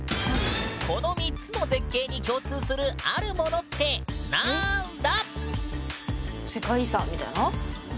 この３つの絶景に共通する「あるもの」ってなんだ⁉うん。